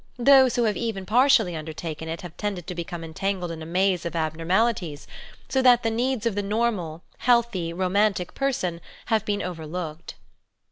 Those who have even i partially undertaken it have tended to become en i tangled in a maze of abnormalities, so that the needs '*] of the normal, healthy, romantic person have been f overlooked.